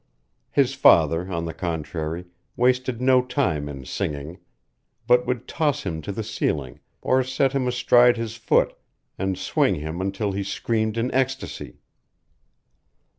His father, on the contrary, wasted no time in singing, but would toss him to the ceiling or set him astride his foot and swing him until he screamed in ecstasy.